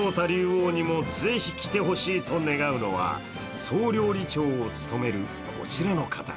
竜王にもぜひ来て欲しいと願うのは総料理長を務めるこちらの方。